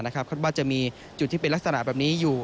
คาดว่าจะมีจุดที่เป็นลักษณะแบบนี้อยู่